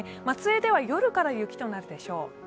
松江では夜から雪となるでしょう。